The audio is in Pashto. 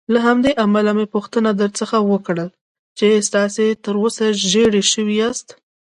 له همدې امله مې پوښتنه درڅخه وکړل چې تاسې تراوسه ژېړی شوي یاست.